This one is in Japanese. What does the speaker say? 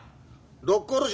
「六甲おろし」